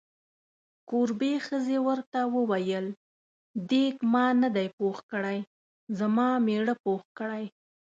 کوربې ښځې ورته وویل: دیګ ما نه دی پوخ کړی، زما میړه پوخ کړی.